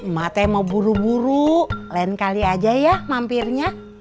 mate mau buru buru lain kali aja ya mampirnya